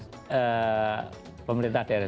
jadi ini adalah pemerintah daerah